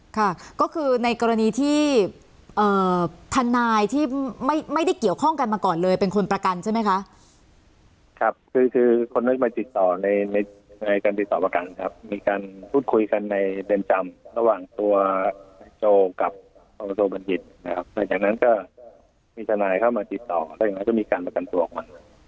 ค่ะก็คือในกรณีที่ท่านายที่ไม่ได้เกี่ยวข้องกันมาก่อนเลยเป็นคนประกันใช่ไหมคะ